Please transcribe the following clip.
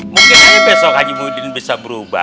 mungkin besok haji muhyiddin bisa berubah